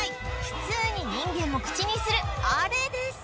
普通に人間も口にするあれです